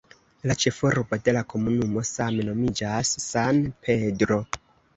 La ĉefurbo de la komunumo same nomiĝas "San Pedro".